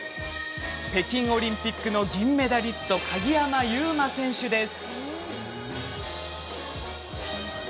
北京オリンピックの銀メダリスト鍵山優真選手です。